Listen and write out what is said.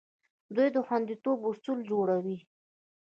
دوی د خوندیتوب اصول جوړوي.